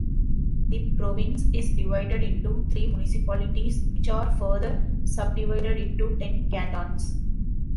The province is divided into three municipalities which are further subdivided into ten cantons.